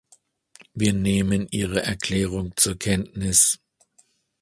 Wir nehmen Ihre Erklärung zur Kenntnis.